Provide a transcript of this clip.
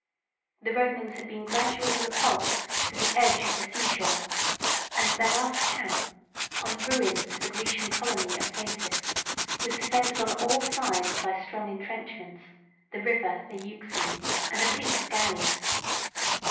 The Romans had been gradually repulsed to the edge of the sea shore; and their last camp, on the ruins of the Grecian colony of Phasis, was defended on all sides by strong intrenchments, the river, the Euxine, and a fleet of galleys.